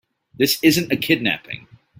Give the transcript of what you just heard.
This isn't a kidnapping.